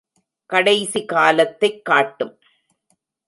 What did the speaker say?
கடைசி காலத்தைக் காட்டும்.